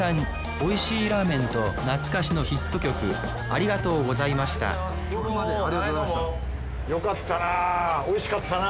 美味しいラーメンと懐かしのヒット曲ありがとうございましたよかったな美味しかったな。